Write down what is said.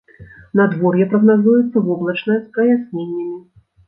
Надвор'е прагназуецца воблачнае з праясненнямі.